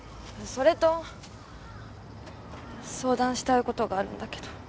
それと相談したいことがあるんだけど。